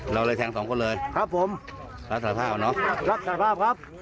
เราเลยแทง๒คนเลยครับผมจัดภาพหรอถาดภาพครับ